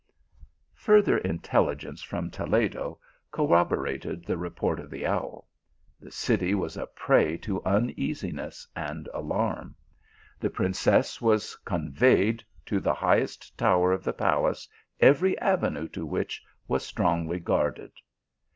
217 Further intelligence from Toledo corroborated the report of the owl. The city was a prey to uneasi ness and alarm. The princess was conveyed to the highest tower of the palace, every avenue to which was strongly guarded.